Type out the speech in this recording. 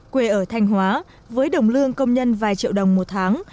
quê ở thanh hóa với đồng lương công nhân vài triệu đồng một tháng